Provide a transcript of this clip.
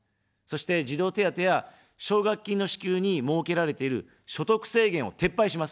そして、児童手当や奨学金の支給に設けられている所得制限を撤廃します。